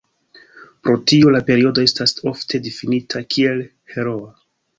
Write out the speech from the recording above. Pro tio la periodo estas ofte difinita kiel "heroa".